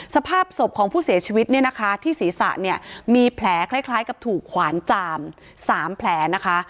สภาพศพของผู้เสียชีวิตที่ศีรษะมีแผลคล้ายกับถูกขวานจาม๓แผลนะคะ